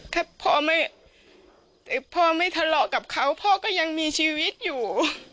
ถ้าพ่อไม่ทะเลาะกับเขาพ่อก็ยังมีชีวิตอยู่